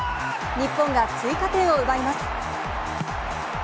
日本が追加点を奪います。